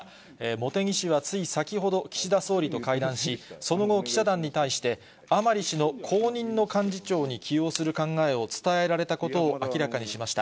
茂木氏はつい先ほど、岸田総理と会談し、その後、記者団に対して、甘利氏の後任の幹事長に起用する考えを伝えられたことを明らかにしました。